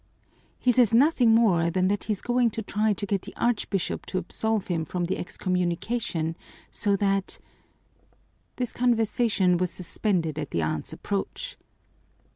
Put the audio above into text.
"He says nothing more than that he's going to try to get the Archbishop to absolve him from the excommunication, so that " This conversation was suspended at the aunt's approach.